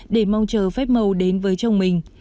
để mong chờ phép màu đến với chồng mình